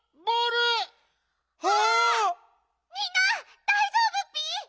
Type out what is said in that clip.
みんなだいじょうぶッピ？